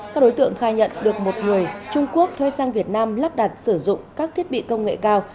các đối tượng khai nhận được một người trung quốc thuê sang việt nam lắp đặt sử dụng các thiết bị công nghệ cao